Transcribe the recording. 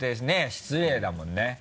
失礼だもんね？